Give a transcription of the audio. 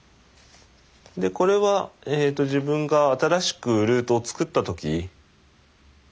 でこれは自分が新しくルートを作った時。